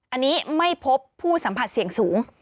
อันนี้ไม่พบผู้สัมผัสเสี่ยงสูง